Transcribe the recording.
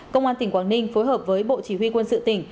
công an tỉnh quảng ninh phối hợp với bộ chỉ huy quân sự tỉnh